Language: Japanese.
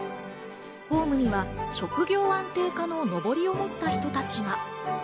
ホームには「職業安定課」ののぼりを持った人たちが。